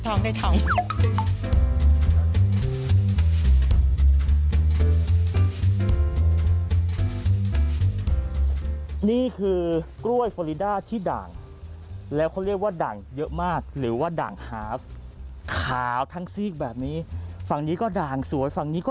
ตอนนี้แข็งแรงหนาอะไรอย่างนี้